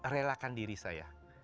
relakan diri saya